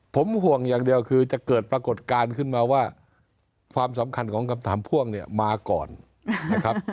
ผมห่วงอย่างเดียวคือจะเกิดปรากฏการณ์ขึ้นมาว่าความสำคัญของคำถามพ่วงเนี่ยมาก่อนนะครับ